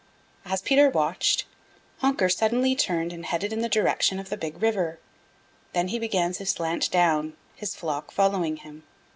As Peter watched, Honker suddenly turned and headed in the direction of the Big River. Then he began to slant down, his flock following him.